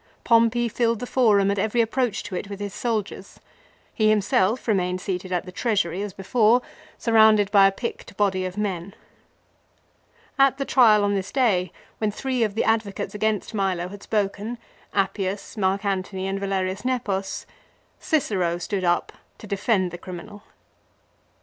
Pompey filled the Forum and every approach to it with his soldiers. He him self remained seated at the Treasury as before, surrounded by a picked body of men. At the trial on this day, when three of the advocates against Milo had spoken, Appius, Marc Antony, and Valerius Nepos, Cicero stood up to defend the criminal.